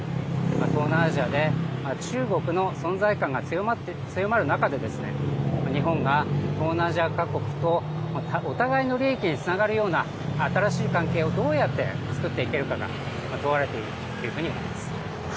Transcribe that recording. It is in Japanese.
東南アジアで中国の存在感が強まる中で、日本が東南アジア各国とお互いの利益につながるような新しい関係をどうやって作っていけるかが問われているというふうに思います。